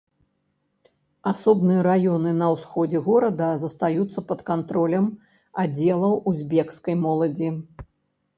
Асобныя раёны на ўсходзе горада застаюцца пад кантролем аддзелаў узбекскай моладзі.